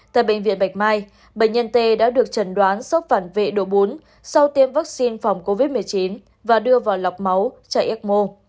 tại bệnh viện bạch mai bệnh nhân t đã được trần đoán sốc phản vệ độ bốn sau tiêm vaccine phòng covid một mươi chín và đưa vào lọc máu chảy ước mơ